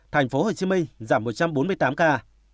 thành phố hồ chí minh giảm một trăm bốn mươi tám ca